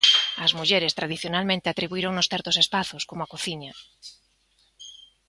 Ás mulleres tradicionalmente atribuíronnos certos espazos, como a cociña.